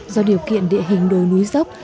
do điều kiện địa hình đồi núi dốc